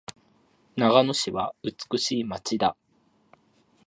長野市は美しい街だ。